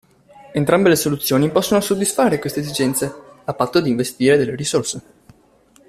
Entrambe le soluzioni possono soddisfare queste esigenze, a patto di investire delle risorse.